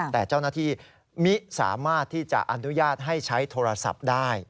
แต่เจ้าหน้าที่มิสามารถที่จะอนุญาตให้ใช้โทรศัพท์ได้